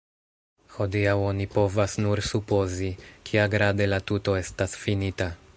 Hodiaŭ oni povas nur supozi, kiagrade la tuto estas finita.